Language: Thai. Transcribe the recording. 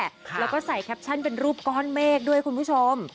แล้วก็ใส่แคปชั่นเป็นรูปก้อนเมฆด้วยคุณผู้ชม